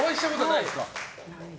ないです。